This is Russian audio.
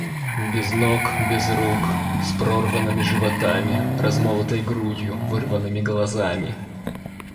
Без ног, без рук, с прорванными животами, размолотой грудью, вырванными глазами.